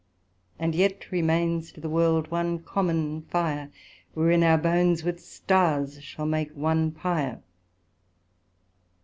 There yet remains to th' World one common Fire, Wherein our bones with stars shall make one Pyre.